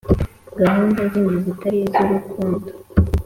gahunda zindi zitari iz’ urukundo,